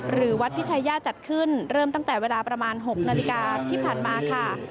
หรือวัดพิชายาจัดขึ้นเริ่มตั้งแต่เวลาประมาณ๖นาฬิกาที่ผ่านมาค่ะ